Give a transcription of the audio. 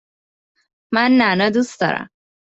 من نعنا دوست دارم.